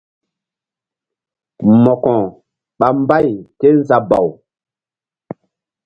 Mo̧ko ɓa mbay kézabaw.